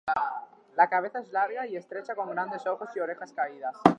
La cabeza es larga y estrecha con grandes ojos y orejas caídas.